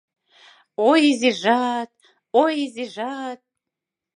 — Ой, изижат, ой, изижат!